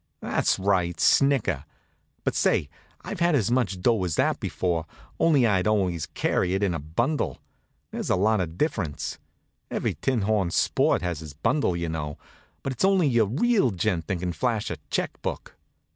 That's right, snicker. But say, I've had as much dough as that before, only I'd always carried it in a bundle. There's a lot of difference. Every tinhorn sport has his bundle, you know; but it's only your real gent that can flash a check book.